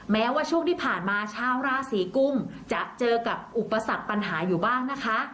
แม้ว่าช่วงที่ผ่านมาชาวราศีกุมจะเจอกับอุปสรรคปัญหาอยู่บ้างนะคะ